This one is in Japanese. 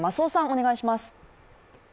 お願いします。